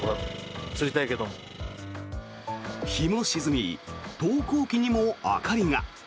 日も沈み投光器にも明かりが。